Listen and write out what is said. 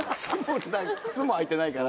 靴も履いてないから。